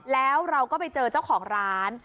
แล้วเราก็ไปเจอเจ้าของร้าน